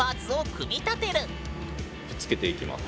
くっつけていきます。